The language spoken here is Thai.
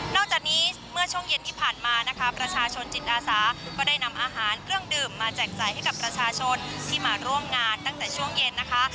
จากนี้เมื่อช่วงเย็นที่ผ่านมานะคะประชาชนจิตอาสาก็ได้นำอาหารเครื่องดื่มมาแจกจ่ายให้กับประชาชนที่มาร่วมงานตั้งแต่ช่วงเย็นนะคะ